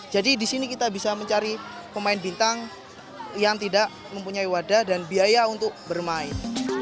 jadi di sini kita bisa mencari pemain bintang yang tidak mempunyai wadah dan biaya untuk bermain